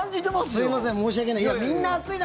すみません申し訳ない。